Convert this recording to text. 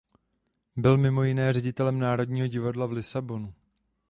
Byl mimo jiné ředitelem Národního divadla v Lisabonu.